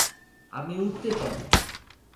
আমি উড়তে চাই।